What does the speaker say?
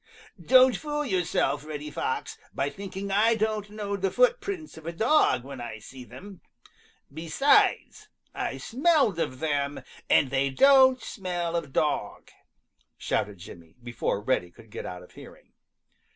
"Don't fool yourself, Reddy Fox, by thinking I don't know the footprints of a dog when I see them. Besides, I smelled of them, and they don't smell of dog!" shouted Jimmy, before Reddy could get out of hearing.